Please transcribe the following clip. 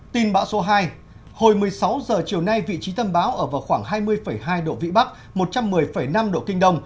tin bão số hai hồi một mươi sáu h chiều nay vị trí tâm bão ở vào khoảng hai mươi hai độ vĩ bắc một trăm một mươi năm độ kinh đông